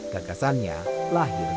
gagasannya lahir dari pawana